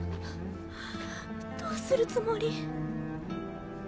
どうするつもり？